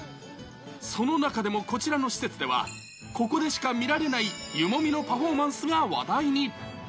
その中でもこちらの施設では、ここでしか見られない湯もみのパフォーマンスが話題に。